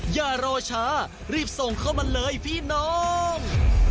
อย่ารอช้ารีบส่งเข้ามาเลยพี่น้อง